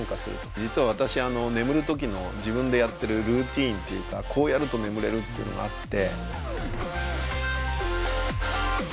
実は私眠る時の自分でやってるルーティンというかこうやると眠れるっていうのがあって。